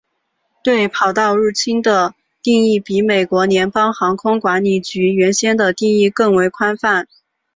对跑道入侵的定义比美国联邦航空管理局原先的定义更为宽泛。